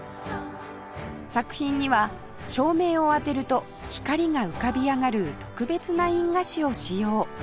作品には照明を当てると光が浮かび上がる特別な印画紙を使用